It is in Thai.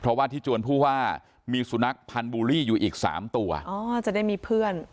เพราะว่าที่จวนผู้ว่ามีสุนัขพันธ์บูลลี่อยู่อีกสามตัวอ๋อจะได้มีเพื่อน